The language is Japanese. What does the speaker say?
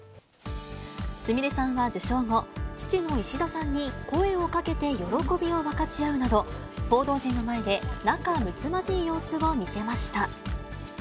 すみれさんは受賞後、父の石田さんに声をかけて喜びを分かち合うなど、報道陣の前で仲むつまじい様子を見せました。